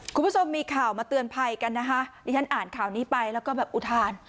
คุณผู้ชมมีข่าวมาเตือนภัยกันนะคะดิฉันอ่านข่าวนี้ไปแล้วก็แบบอุทาน